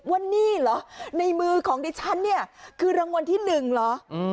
ว่านี่เหรอในมือของดิฉันเนี่ยคือรางวัลที่หนึ่งเหรอ